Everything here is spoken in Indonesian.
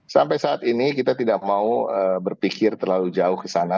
sampai saat ini kita tidak mau berpikir terlalu jauh ke sana